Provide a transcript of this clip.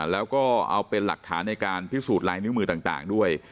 แล้วก็เอาเป็นหลักฐานในการพิสูจน์ลายนิ้วมือต่างด้วย